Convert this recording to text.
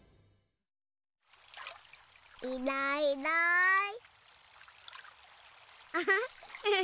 いないいない。